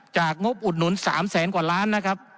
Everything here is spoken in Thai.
งบอุดหนุน๓แสนกว่าล้านนะครับ